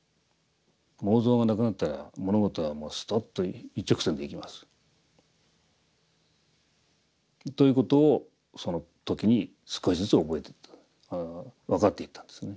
妄想がなくなったら物事はストッと一直線で行きますということをその時に少しずつ覚えていった分かっていったんですね。